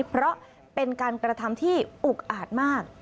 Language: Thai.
เพราะเป็นการกระทำที่อุกอาจมาก